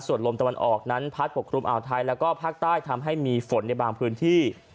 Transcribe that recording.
ส่วนลมตะวันออกนั้นพัดปกครุมอ่าวไทยแล้วก็ภาคใต้ทำให้มีฝนในบางพื้นที่